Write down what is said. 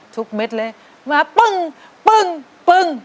เม็ดเลยมาปึ้งปึ้งปึ้ง